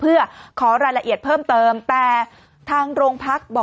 ปรากฏว่าสิ่งที่เกิดขึ้นคลิปนี้ฮะ